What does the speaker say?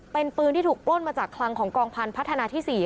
เป็นปืนที่ถูกปล้นมาจากคลังของกองพันธนาที่๔